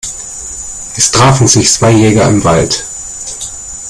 Es trafen sich zwei Jäger im Wald.